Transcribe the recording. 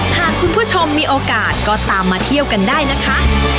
หากคุณผู้ชมมีโอกาสก็ตามมาเที่ยวกันได้นะคะ